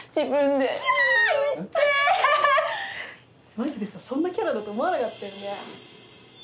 マジでさそんなキャラだと思わなかったよね。